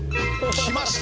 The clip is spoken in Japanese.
きました！